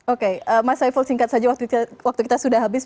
oke mas saiful singkat saja waktu kita sudah habis